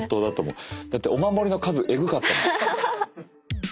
だってお守りの数エグかったもん。